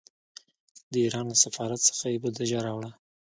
د ایران له سفارت څخه یې بودجه راوړه.